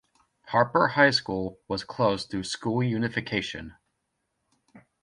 Harper High School was closed through school unification.